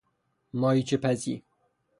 ماهیچهپزی